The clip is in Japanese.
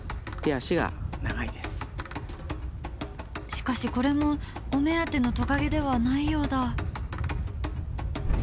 しかしこれもお目当てのトカゲではないようだ。